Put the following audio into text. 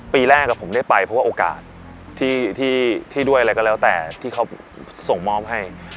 ปีแรกผมได้ไปเพราะว่าโอกาสที่ด้วยอะไรก็แล้วแต่ที่เขาส่งมอบให้